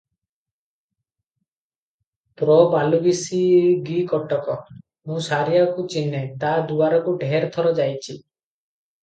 ପ୍ର ବାଲୁବିଶି ଗି କଟକ - ମୁଁ ସାରିଆକୁ ଚିହ୍ନେ, ତା ଦୁଆରକୁ ଢେର ଥର ଯାଇଛି ।